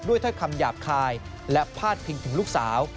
ถ้อยคำหยาบคายและพาดพิงถึงลูกสาว